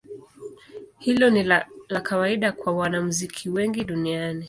Hilo ni la kawaida kwa wanamuziki wengi duniani.